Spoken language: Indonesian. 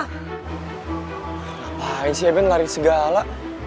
kenapa aja sih eben lari segala